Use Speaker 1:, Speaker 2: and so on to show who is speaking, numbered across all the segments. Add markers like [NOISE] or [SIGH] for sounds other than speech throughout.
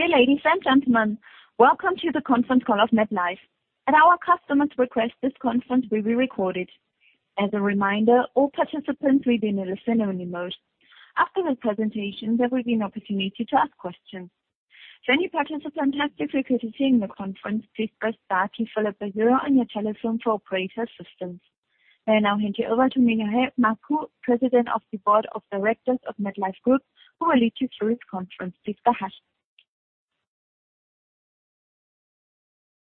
Speaker 1: Dear ladies and gentlemen, welcome to the conference call of MedLife. At our customer's request, this conference will be recorded. As a reminder, all participants will be in a listen-only mode. After the presentation, there will be an opportunity to ask questions. If any participant has difficulty hearing the conference, please press star key followed by zero on your telephone for operator assistance. I now hand you over to Mihail Marcu, President of the Board of Directors of MedLife Group, who will lead you through this conference. Please go ahead.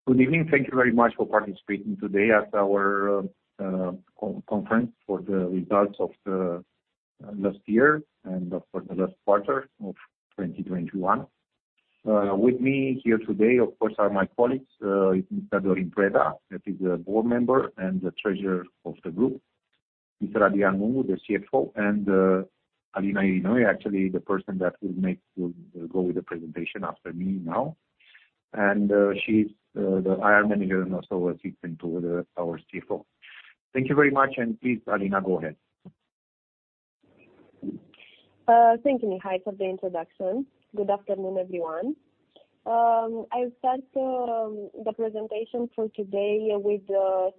Speaker 2: Good evening. Thank you very much for participating today at our conference for the results of the last year and for the last quarter of 2021. With me here today, of course, are my colleagues, Mr. Dorin Preda, that is a Board Member and the Treasurer of the group, Mr. Adrian Lungu, the CFO, and Alina Irinoiu, actually the person that will go with the presentation after me now. She's the IR Manager and also assistant to our CFO. Thank you very much. Please, Alina, go ahead.
Speaker 3: Thank you, Mihail, for the introduction. Good afternoon, everyone. I'll start the presentation for today with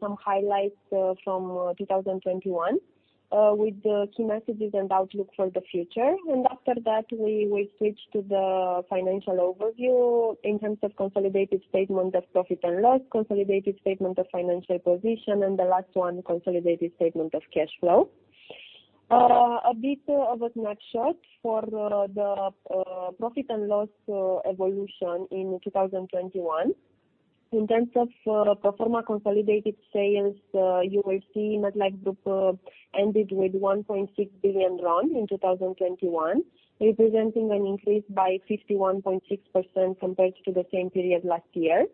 Speaker 3: some highlights from 2021 with the key messages and outlook for the future. After that, we will switch to the financial overview in terms of consolidated statement of profit and loss, consolidated statement of financial position, and the last one, consolidated statement of cash flow. A bit of a snapshot for the profit and loss evolution in 2021. In terms of pro forma consolidated sales, you will see MedLife Group ended with RON 1.6 billion in 2021, representing an increase by 51.6% compared to the same period last year.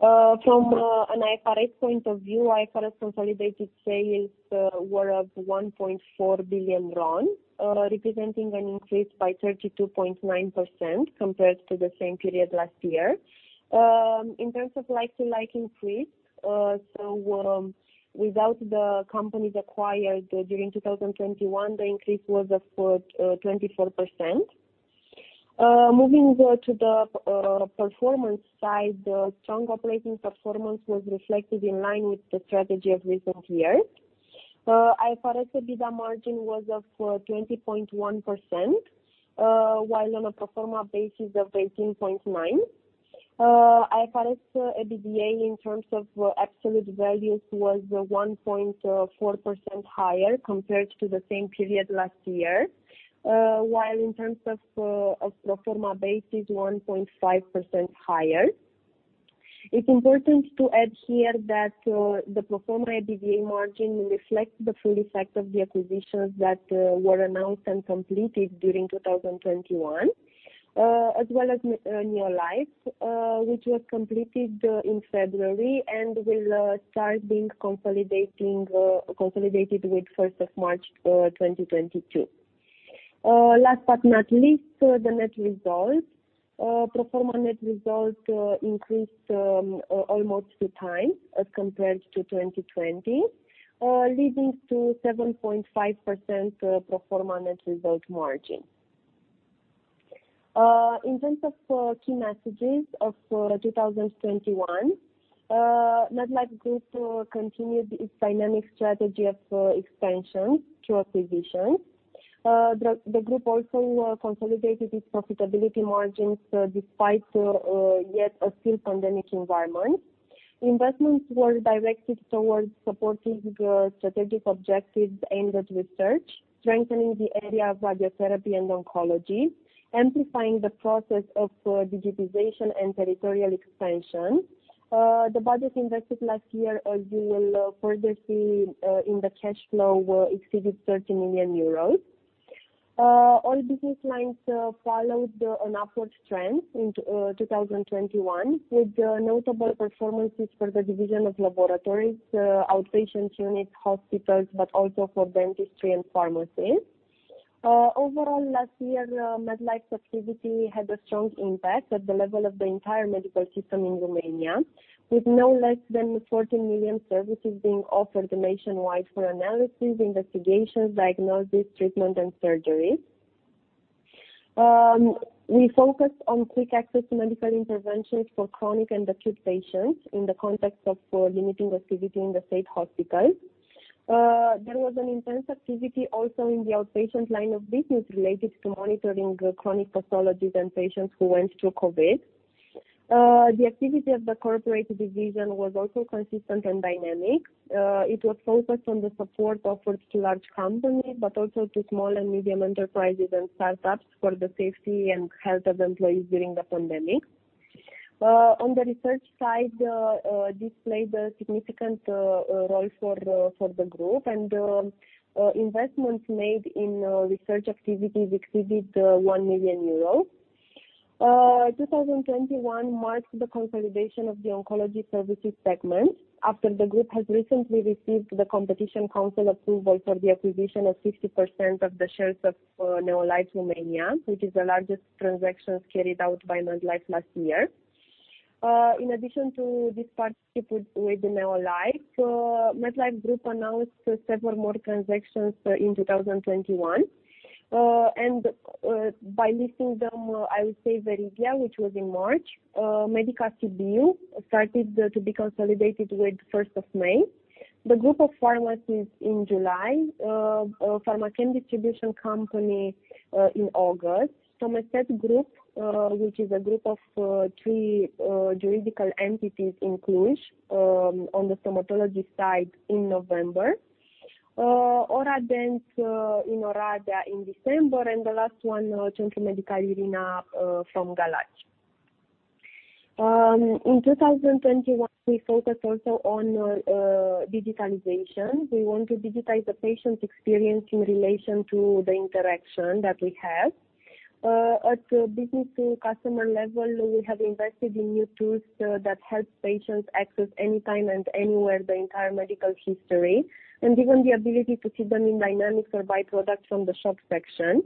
Speaker 3: From an IFRS point of view, IFRS consolidated sales were of RON 1.4 billion, representing an increase by 32.9% compared to the same period last year. In terms of like-to-like increase, without the companies acquired during 2021, the increase was of 24%. Moving to the performance side, the strong operating performance was reflected in line with the strategy of recent years. IFRS EBITDA margin was of 20.1%, while on a pro forma basis of 18.9%. IFRS EBITDA in terms of absolute values was 1.4% higher compared to the same period last year. While in terms of pro forma basis, 1.5% higher. It's important to add here that the pro forma EBITDA margin reflects the full effect of the acquisitions that were announced and completed during 2021, as well as Neolife, which was completed in February and will start being consolidating, consolidated with 1st of March, 2022. Last but not least, the net results. Pro forma net results increased almost two times as compared to 2020, leading to 7.5% pro forma net result margin. In terms of key messages of 2021, MedLife Group continued its dynamitc strategy of expansion through acquisitions. The group also consolidated its profitability margins despite yet a still pandemic environment. Investments were directed towards supporting strategic objectives aimed at research, strengthening the area of radiotherapy and oncology, amplifying the process of digitization and territorial expansion. The budget invested last year, as you will further see, in the cash flow, exceeded 13 million euros. All business lines followed an upward trend in 2021, with notable performances for the division of laboratories, outpatient units, hospitals, but also for dentistry and pharmacies. Overall, last year, MedLife's activity had a strong impact at the level of the entire medical system in Romania, with no less than 14 million services being offered nationwide for analysis, investigations, diagnosis, treatment, and surgeries. We focused on quick access to medical interventions for chronic and acute patients in the context of limiting activity in the state hospitals. There was an intense activity also in the outpatient line of business related to monitoring chronic pathologies and patients who went through COVID. The activity of the corporate division was also consistent and dynamic. It was focused on the support offered to large companies, but also to small and medium enterprises and startups for the safety and health of employees during the pandemic. On the research side, this played a significant role for the group, and investments made in research activities exceeded 1 million euros. 2021 marked the consolidation of the oncology services segment after the group has recently received the Competition Council approval for the acquisition of 50% of the shares of Neolife Romania, which is the largest transactions carried out by MedLife last year. In addition to this partnership with Neolife, MedLife Group announced several more transactions in 2021. By listing them, I would say Veridia, which was in March. Medica Sibiu started to be consolidated with first of May. The group of pharmacies in July. Pharmachem Distributie Company in August. Stomestet Group, which is a group of three juridical entities in Cluj, on the stomatology side in November. Oradent in Oradea in December, and the last one, Centrul Medical Irina, from Galați. In 2021, we focused also on digitalization. We want to digitize the patient experience in relation to the interaction that we have. At a B2C level, we have invested in new tools that help patients access anytime and anywhere the entire medical history, and even the ability to see them in dynamics or buy products from the shop section.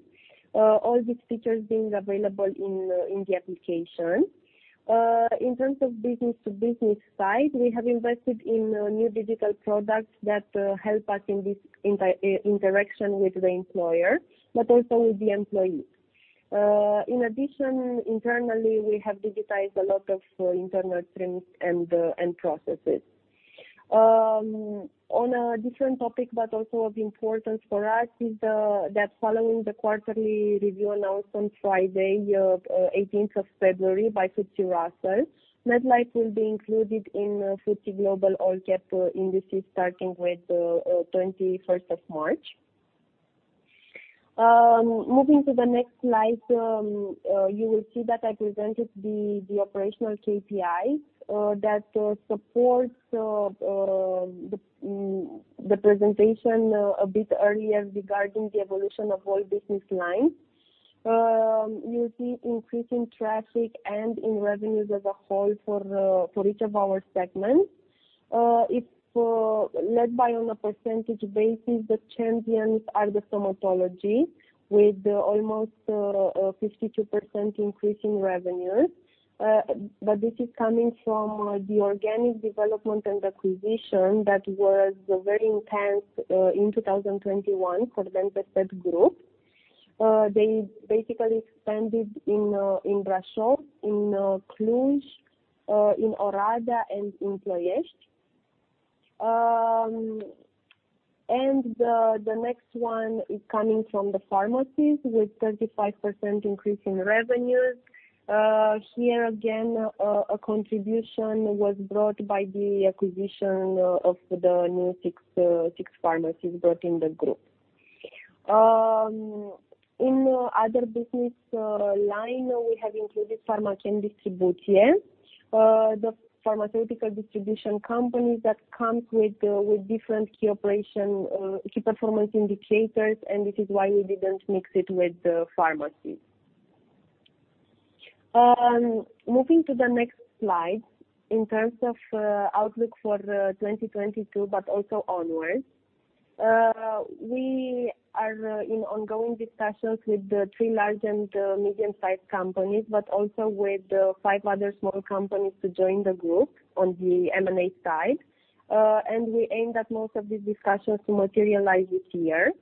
Speaker 3: All these features being available in the application. In terms of B2B side, we have invested in new digital products that help us in this inter-interaction with the employer, but also with the employee. In addition, internally, we have digitized a lot of internal trends and processes. On a different topic, but also of importance for us is that following the quarterly review announced on Friday, 18th of February by FTSE Russell, MedLife will be included in FTSE Global All Cap indices starting with 21st of March. Moving to the next slide, you will see that I presented the operational KPIs that supports the presentation a bit earlier regarding the evolution of all business lines. You see increase in traffic and in revenues as a whole for each of our segments. If led by on a percentage basis, the champions are the stomatology with almost 52% increase in revenues. This is coming from the organic development and acquisition that was very intense in 2021 for DENT ESTET Group. They basically expanded in Brașov, in Cluj, in Oradea and in Ploiești. The next one is coming from the pharmacies with 35% increase in revenues. Here again, a contribution was brought by the acquisition of the new six pharmacies brought in the group. In other business line, we have included Pharmachem Distributie, the pharmaceutical distribution company that comes with different key operation key performance indicators, and this is why we didn't mix it with the pharmacies. Moving to the next slide. In terms of outlook for 2022, but also onwards, we are in ongoing discussions with the three large and medium-sized companies, but also with five other small companies to join the group on the M&A side. We aim that most of these discussions to materialize this year.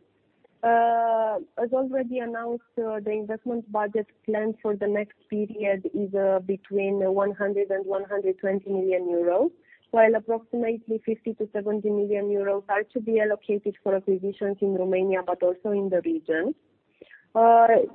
Speaker 3: As already announced, the investment budget planned for the next period is between 100 million euros and 120 million euros, while approximately 50 million-70 million euros are to be allocated for acquisitions in Romania, but also in the region.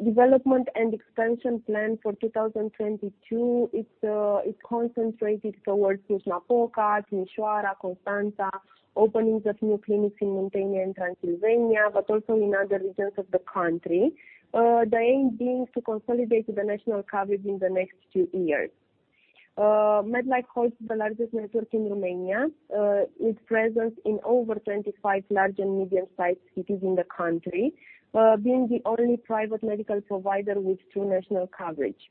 Speaker 3: Development and expansion plan for 2022, it's concentrated towards Sighișoara, Târgu Mureș, Constanța, openings of new clinics in Muntenia and Transylvania, but also in other regions of the country. The aim being to consolidate the national coverage in the next two years. MedLife holds the largest network in Romania, with presence in over 25 large and medium-sized cities in the country, being the only private medical provider with true national coverage.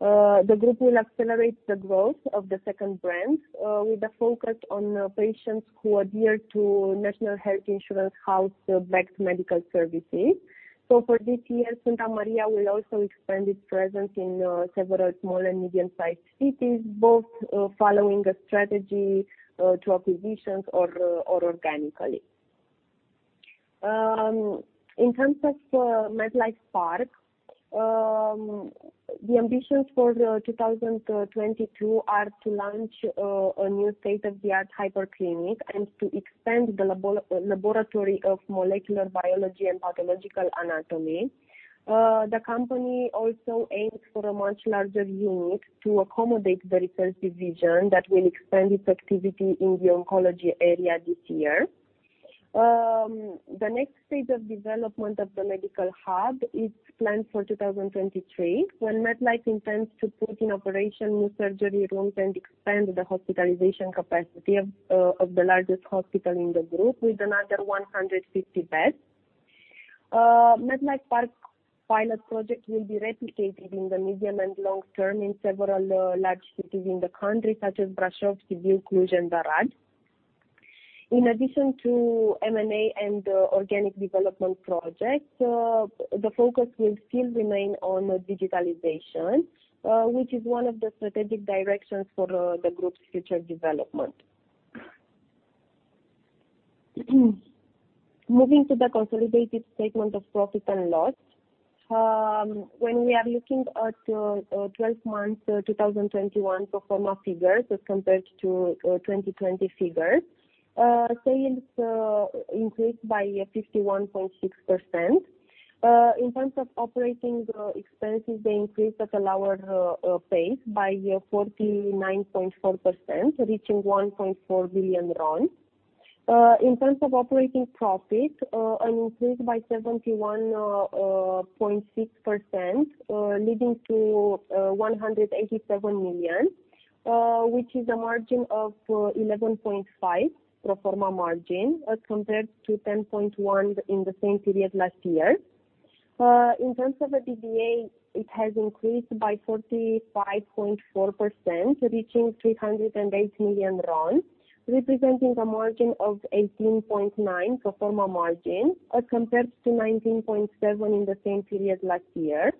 Speaker 3: The group will accelerate the growth of the second brand, with a focus on patients who adhere to National Health Insurance House backed medical services. For this year, Sfânta Maria will also expand its presence in several small and medium-sized cities, both following a strategy to acquisitions or organically. In terms of MedLife Park, the ambitions for 2022 are to launch a new state-of-the-art Hyperclinic and to expand the laboratory of molecular biology and pathological anatomy. The company also aims for a much larger unit to accommodate the research division that will expand its activity in the oncology area this year. The next stage of development of the medical hub is planned for 2023, when MedLife intends to put in operation new surgery rooms and expand the hospitalization capacity of the largest hospital in the group with another 150 beds. MedLife Park pilot project will be replicated in the medium and long term in several large cities in the country, such as Brașov, Sibiu, Cluj, and Arad. In addition to M&A and organic development projects, the focus will still remain on digitalization, which is one of the strategic directions for the group's future development. Moving to the consolidated statement of profit and loss. When we are looking at 12 months, 2021 pro forma figures as compared to 2020 figures, sales increased by 51.6%. In terms of operating expenses, they increased at a lower pace by 49.4%, reaching RON 1.4 billion. In terms of operating profit, an increase by 71.6%, leading to RON 187 million, which is a margin of 11.5% pro forma margin as compared to 10.1% in the same period last year. In terms of EBITDA, it has increased by 45.4%, reaching RON 308 million, representing a margin of 18.9% pro forma margin as compared to 19.7% in the same period last year.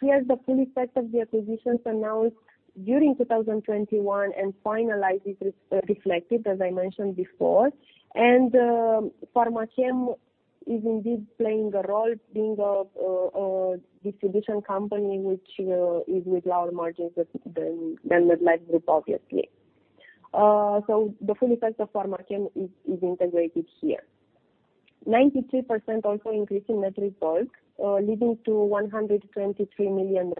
Speaker 3: Here the full effect of the acquisitions announced during 2021 and finalized is reflected, as I mentioned before. Pharmachem is indeed playing a role being a distribution company, which is with lower margins than MedLife Group, obviously. So the full effect of Pharmachem is integrated here. 93% also increase in net result, leading to RON 123 million,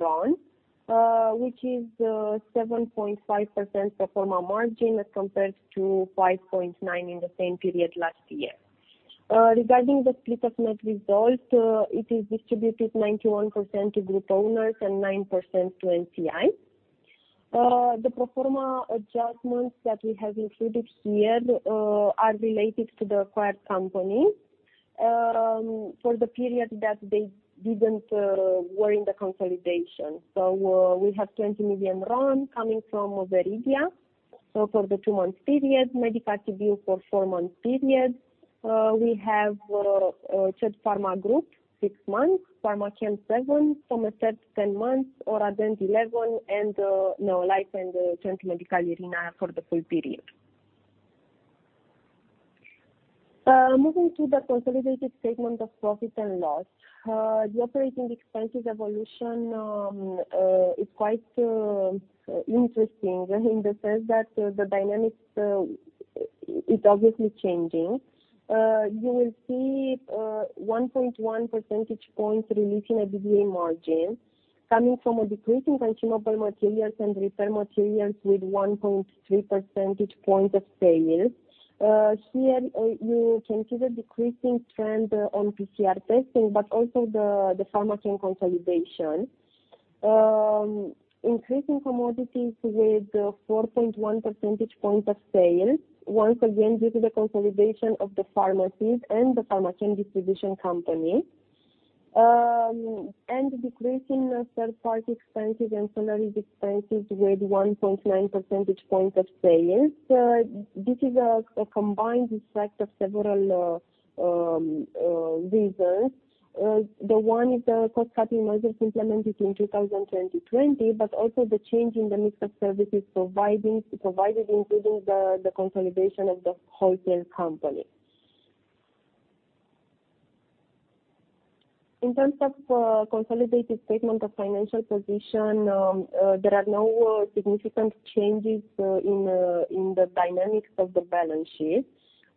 Speaker 3: which is 7.5% pro forma margin as compared to 5.9% in the same period last year. Regarding the split of net result, it is distributed 91% to group owners and 9% to NCI. The pro forma adjustments that we have included here are related to the acquired company, for the period that they didn't were in the consolidation. So we have RON 20 million coming from Veridia. So for the two-month period, Medica Sibiu for four-month period. We have CED Pharma Group, six months, Pharmachem, seven, Stomestet 10 months, Oradent 11, Neolife and Centrul Medical Irina for the full period. Moving to the consolidated statement of profit and loss. The operating expenses evolution is quite interesting in the sense that the dynamics is obviously changing. You will see 1.1 percentage points releasing EBITDA margin coming from a decrease in consumable materials and repair materials with 1.3 percentage points of sales. Here you will consider decreasing trend on PCR testing, but also the Pharmachem consolidation. Increase in commodities with 4.1 percentage points of sale, once again due to the consolidation of the pharmacies and the Pharmachem Distributie. Decreasing third-party expenses and salaries expenses with 1.9 percentage points of sales. This is a combined effect of several reasons. The one is the cost-cutting measures implemented in 2020, also the change in the mix of services provided, including the consolidation of the wholesale company. In terms of consolidated statement of financial position, there are no significant changes in the dynamics of the balance sheet.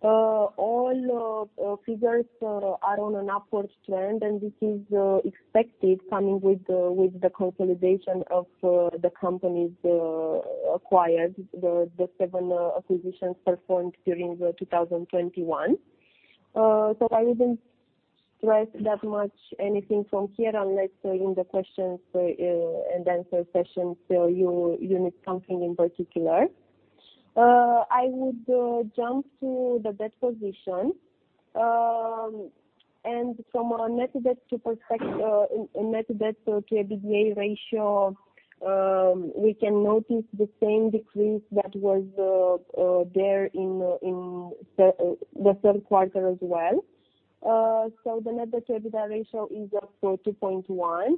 Speaker 3: All figures are on an upwards trend, and this is expected coming with the consolidation of the companies acquired, the seven acquisitions performed during 2021. I wouldn't stress that much anything from here unless in the questions and answer session, so you need something in particular. I would jump to the debt position. From a net debt to EBITDA ratio, we can notice the same decrease that was there in the third quarter as well. The net debt to EBITDA ratio is of 2.1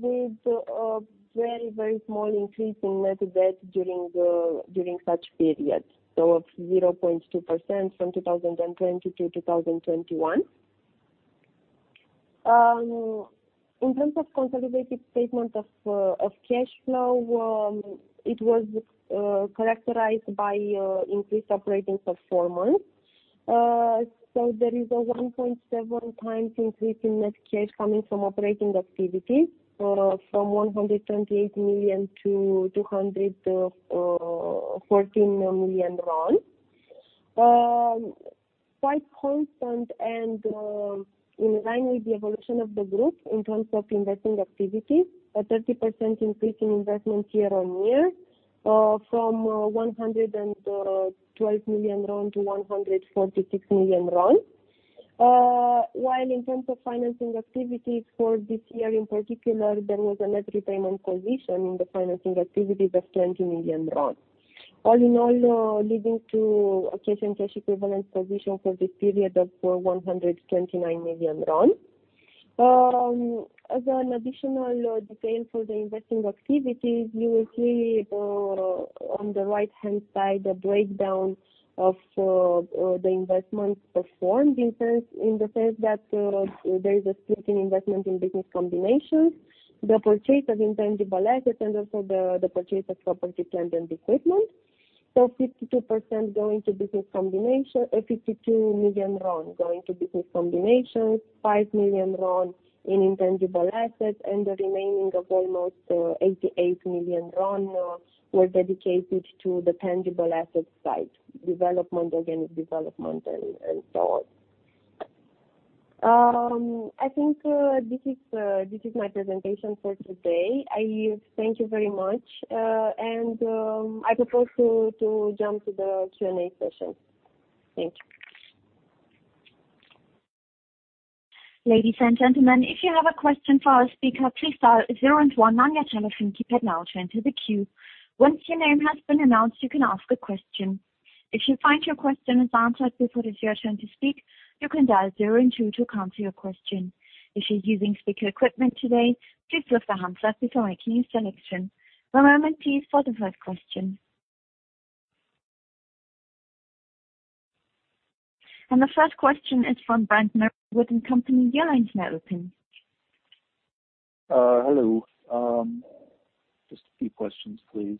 Speaker 3: with a very, very small increase in net debt during such period, so of 0.2% from 2020 to 2021. In terms of consolidated statement of cash flow, it was characterized by increased operating performance. There is a 1.7x increase in net cash coming from operating activities, from RON 128 million to RON 214 million. Quite constant and in line with the evolution of the group in terms of investing activities, a 30% increase in investments year-on-year, from RON 112 million to RON 146 million. All in all, leading to a cash and cash equivalent position for this period of RON 129 million. As an additional detail for the investing activities, you will see on the right-hand side the breakdown of the investment performed. In the sense that there is a split in investment in business combinations, the purchase of intangible assets, and also the purchase of property, plant, and equipment. 52% going to business combination, RON 52 million going to business combinations, RON 5 million in intangible assets, and the remaining of almost RON 88 million were dedicated to the tangible asset side development, organic development, and so on. I think this is my presentation for today. I thank you very much. I propose to jump to the Q&A session. Thank you.
Speaker 1: Ladies and gentlemen, if you have a question for our speaker, please dial zero and one on your telephone keypad now to enter the queue. Once your name has been announced, you can ask a question. If you find your question is answered before it is your turn to speak, you can dial zero and two to cancel your question. If you're using speaker equipment today, please lift the handset before making your selection. One moment please for the first question. The first question is from Brent Thill with the company Jefferies.
Speaker 4: Hello. Just a few questions, please.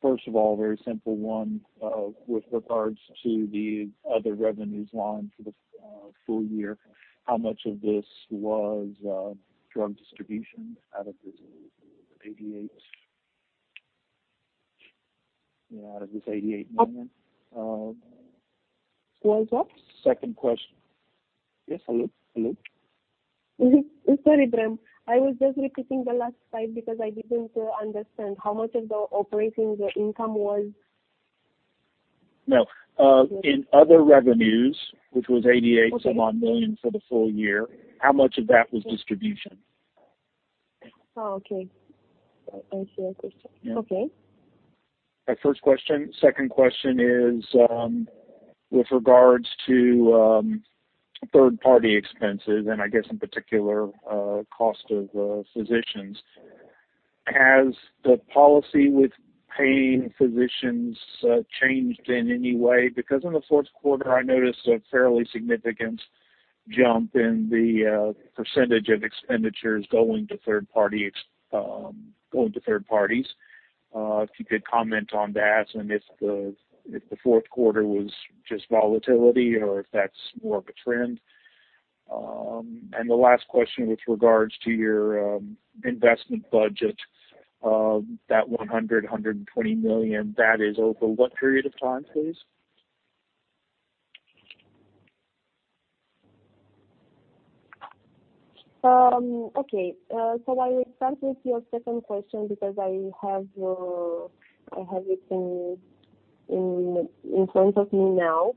Speaker 4: First of all, very simple one, with regards to the other revenues line for the full year. How much of this was drug distribution out of this RON 88? Yeah, out of this RON 88 million.
Speaker 3: Was what?
Speaker 4: Second question. Yes, hello? Hello?
Speaker 3: Sorry, Brent. I was just repeating the last slide because I didn't understand how much of the operating the income was.
Speaker 4: No. in other revenues, which was RON 88 some odd million for the full year, how much of that was distribution?
Speaker 3: Okay. Oh, okay. I see your question.
Speaker 4: Yeah.
Speaker 3: Okay.
Speaker 4: My first question. Second question is, with regards to, third-party expenses, and I guess in particular, cost of, physicians. Has the policy with paying physicians, changed in any way? Because in the fourth quarter, I noticed a fairly significant jump in the, percentage of expenditures going to third party going to third parties. If you could comment on that and if the fourth quarter was just volatility or if that's more of a trend? The last question with regards to your, investment budget, that 100 million-120 million, that is over what period of time, please?
Speaker 3: Okay. I will start with your second question because I have it in front of me now.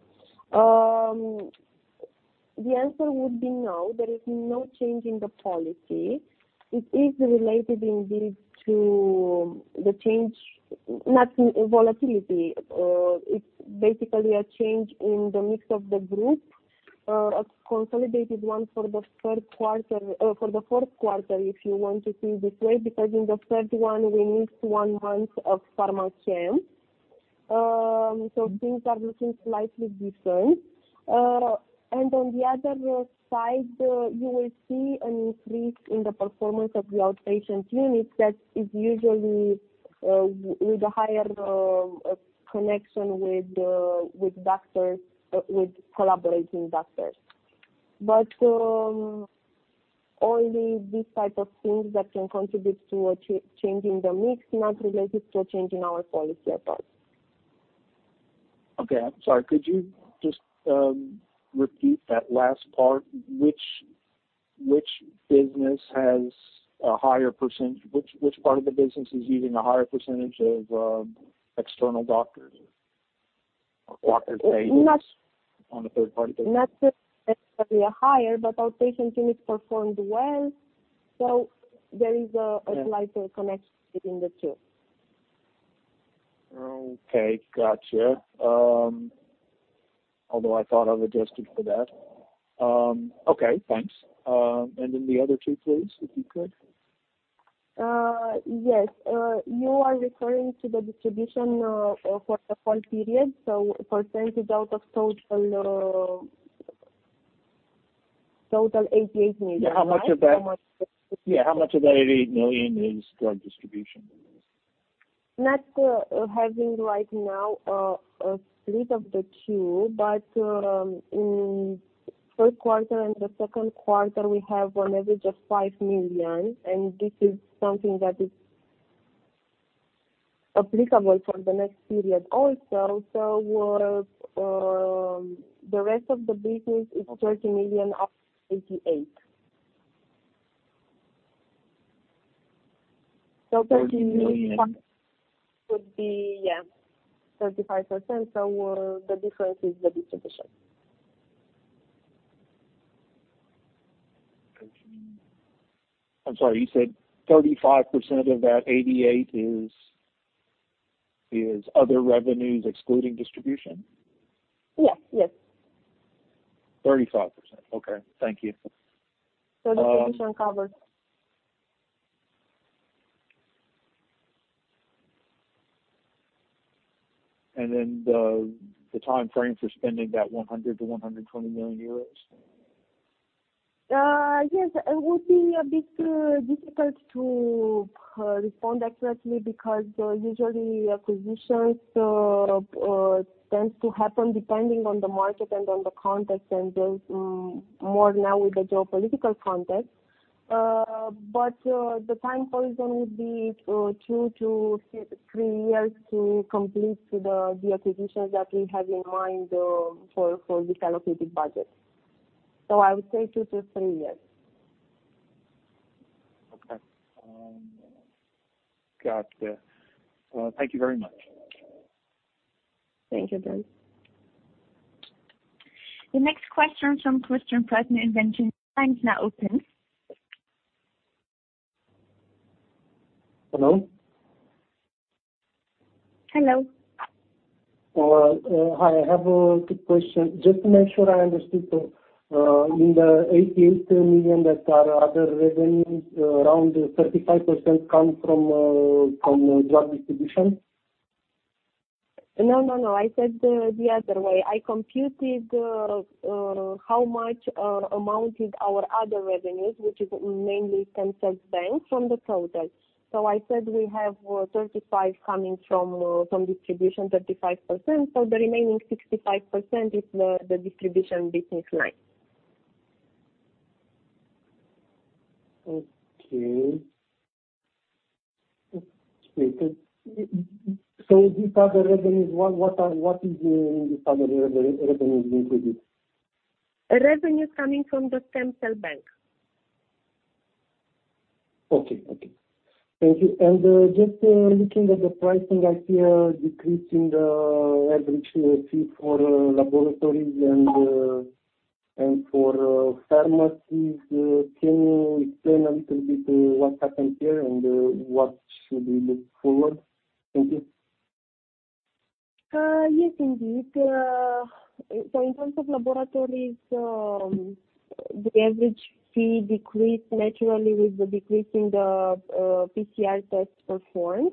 Speaker 3: The answer would be no. There is no change in the policy. It is related indeed to the change, not in volatility. It's basically a change in the mix of the group, a consolidated one for the third quarter, for the fourth quarter, if you want to see it this way, because in the third one we missed one month of Pharmachem. Things are looking slightly different. On the other side, you will see an increase in the performance of the outpatient units that is usually with a higher connection with doctors, with collaborating doctors. Only these type of things that can contribute to a change in the mix, not related to a change in our policy approach.
Speaker 4: Okay. I'm sorry. Could you just repeat that last part? Which business has a higher %? Which part of the business is using a higher percentage of external doctors or doctors paid on a third-party basis?
Speaker 3: Not necessarily a higher, but our patient unit performed well. There is a slight connection between the two.
Speaker 4: Yeah. Okay. Gotcha. Although I thought I've adjusted for that. Okay, thanks. The other two, please, if you could.
Speaker 3: Yes. You are referring to the distribution, for the full period. Percentage out of total RON 88 million, right?
Speaker 4: Yeah. How much of that-
Speaker 3: How much?
Speaker 4: Yeah. How much of that RON 88 million is drug distribution?
Speaker 3: Not, having right now, a split of the two, in first quarter and the second quarter, we have an average of RON 5 million, and this is something that is applicable for the next period also. The rest of the business is RON 30 million out of RON 88 million. RON 30 would be, yeah, 35%. The difference is the distribution.
Speaker 4: I'm sorry. You said 35% of that 88 is other revenues excluding distribution?
Speaker 3: Yes. Yes.
Speaker 4: 35%. Okay. Thank you.
Speaker 3: Distribution covered.
Speaker 4: The time frame for spending that 100 million-120 million euros?
Speaker 3: Yes. It would be a bit difficult to respond accurately because usually acquisitions tends to happen depending on the market and on the context, and there's more now with the geopolitical context. The time horizon would be two to three years to complete the acquisitions that we have in mind for this allocated budget. I would say two to three years.
Speaker 4: Okay. Got it. Thank you very much.
Speaker 3: Thank you, Dan.
Speaker 1: The next question from. [INAUDIBLE] Your line is now open.
Speaker 5: Hello.
Speaker 3: Hello.
Speaker 5: Hi. I have a quick question. Just to make sure I understood, in the RON 88 million that are other revenues, around 35% come from drug distribution?
Speaker 3: No, no. I said the other way. I computed how much amount is our other revenues, which is mainly stem cells bank from the total. I said we have 35 coming from distribution, 35%, so the remaining 65% is the distribution business line.
Speaker 5: Okay. these other revenues, what are, what is in these other revenues included?
Speaker 3: Revenue coming from the stem cells bank.
Speaker 5: Okay. Thank you. Just, looking at the pricing, I see a decrease in the average fee for laboratories and for pharmacies. Can you explain a little bit, what happened here and, what should we look forward? Thank you.
Speaker 3: Yes, indeed. In terms of laboratories, the average fee decreased naturally with the decrease in the PCR test performed,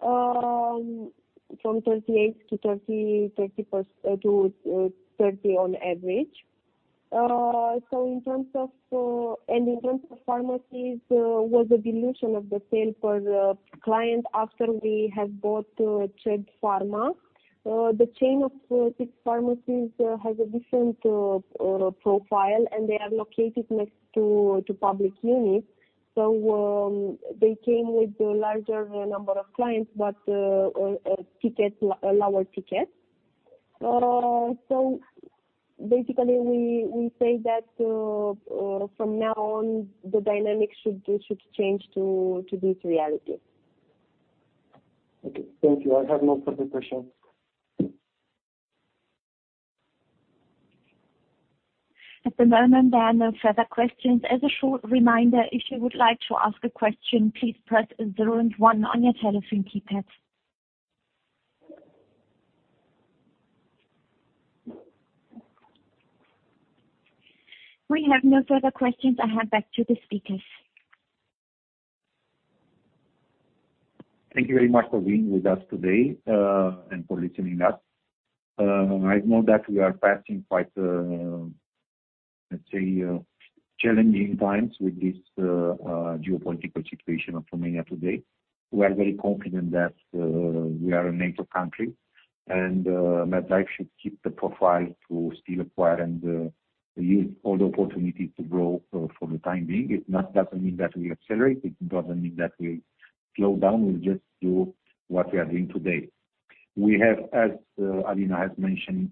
Speaker 3: from 38 to 30% to 30 on average. In terms of pharmacies, was a dilution of the sale for the client after we have bought Ced Pharma. The chain of six pharmacies has a different profile, and they are located next to public units. They came with a larger number of clients, but a lower ticket. Basically, we say that from now on, the dynamic should change to this reality.
Speaker 5: Okay. Thank you. I have no further questions.
Speaker 1: At the moment, there are no further questions. As a short reminder, if you would like to ask a question, please press zero and one on your telephone keypad. We have no further questions. I hand back to the speakers.
Speaker 2: Thank you very much for being with us today, and for listening us. I know that we are passing quite, let's say, challenging times with this geopolitical situation of Romania today. We are very confident that we are a major country, and MedLife should keep the profile to still acquire and use all the opportunities to grow for the time being. It not doesn't mean that we accelerate, it doesn't mean that we slow down. We'll just do what we are doing today. We have, as Alina has mentioned,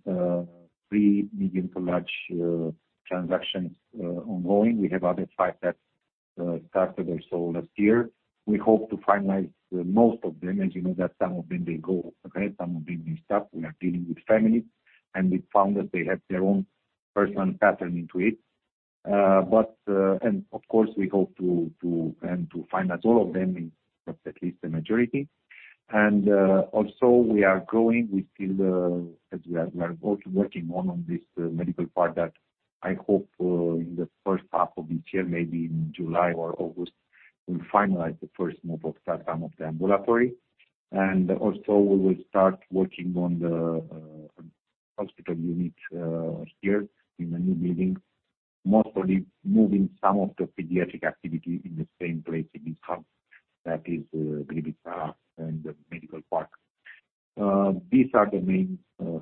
Speaker 2: three medium to large transactions ongoing. We have other 5 that started also last year. We hope to finalize most of them. As you know, that some of them they go okay, some of them they stop. We are dealing with families, and we found that they have their own personal pattern into it. Of course, we hope to finance all of them, at least the majority. Also we are growing. We feel as we are also working on this medical part that I hope in the first half of this year, maybe in July or August, we'll finalize the first move of some of the ambulatory. Also we will start working on the hospital unit here in the new building, mostly moving some of the pediatric activity in the same place in this hub that is in the MedLife Medical Park. These are the main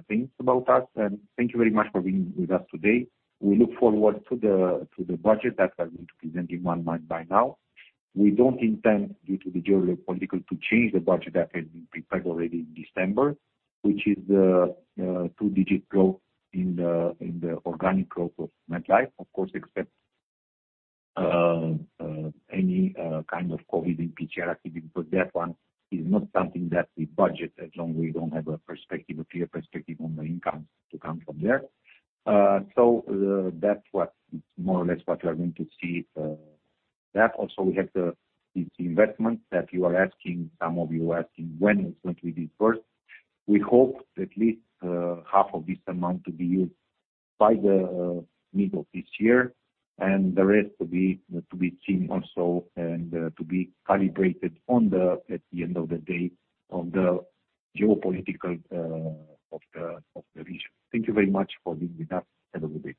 Speaker 2: things about us, and thank you very much for being with us today. We look forward to the budget that we are going to present in one month by now. We don't intend due to the geopolitical to change the budget that has been prepared already in December, which is two-digit growth in the organic growth of MedLife. Of course, except any kind of COVID and PCR activity, because that one is not something that we budget as long as we don't have a perspective, a clear perspective on the income to come from there. That's what more or less what you are going to see. That also we have this investment that you are asking, some of you are asking when it's going to be dispersed. We hope at least half of this amount to be used by the middle of this year and the rest to be seen also and to be calibrated on the, at the end of the day, on the geopolitical of the region. Thank you very much for being with us. Have a good day.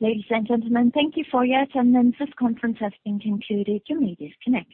Speaker 1: Ladies and gentlemen, thank you for your attendance. This conference has been concluded. You may disconnect.